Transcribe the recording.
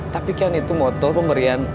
tapi kan itu motor pemberian